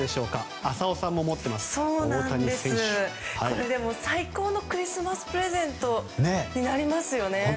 これ、最高のクリスマスプレゼントになりますよね。